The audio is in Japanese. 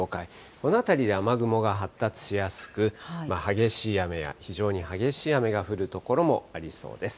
この辺りで雨雲が発達しやすく、激しい雨や非常に激しい雨が降る所もありそうです。